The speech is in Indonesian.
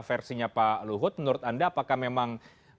versinya pak luhut menurut anda apakah memang